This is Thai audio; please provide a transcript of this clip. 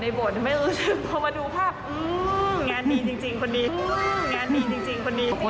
อ๋อไม่ได้ท้องบางทีใส่ชุดรวมหลวมค่ะ